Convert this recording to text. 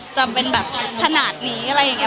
จะเป็นถนัดนี้อะไรอย่างเงี้ย